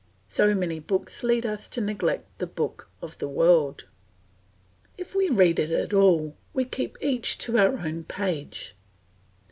So many books lead us to neglect the book of the world; if we read it at all, we keep each to our own page.